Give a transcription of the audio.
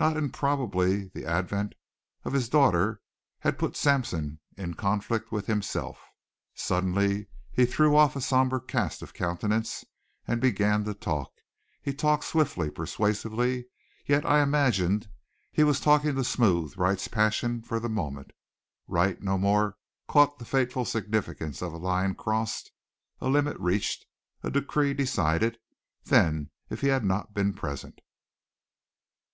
Not improbably the advent of his daughter had put Sampson in conflict with himself. Suddenly he threw off a somber cast of countenance and began to talk. He talked swiftly, persuasively, yet I imagined he was talking to smooth Wright's passion for the moment. Wright no more caught the fateful significance of a line crossed, a limit reached, a decree decided, than if he had not been present.